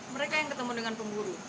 mereka yang ketemu dengan pemburu